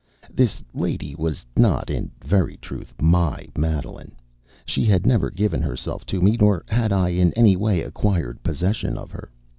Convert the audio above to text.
This lady was not, in very truth, my Madeline. She had never given herself to me, nor had I, in any way, acquired possession of her.